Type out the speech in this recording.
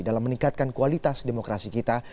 dalam meningkatkan kualitas demokrasi kita